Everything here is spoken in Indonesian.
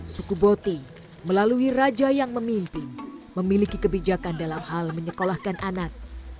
suku boti melalui raja yang memimpin memiliki kebijakan dalam hal menyekolahkan anak